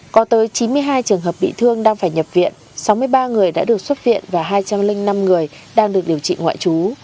có tới chín mươi hai trường hợp bị thương đang phải nhập viện sáu mươi ba người đã được xuất viện và hai trăm linh năm người đang được điều trị ngoại trú